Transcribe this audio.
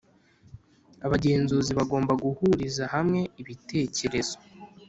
abagenzuzi bagomba guhuriza hamwe ibitekerezo